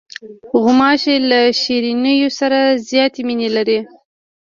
غوماشې له شیرینیو سره زیاتې مینې لري.